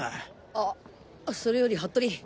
あそれより服部。